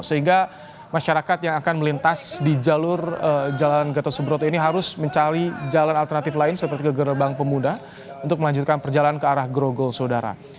sehingga masyarakat yang akan melintas di jalur jalan gatot subroto ini harus mencari jalan alternatif lain seperti ke gerbang pemuda untuk melanjutkan perjalanan ke arah grogol sodara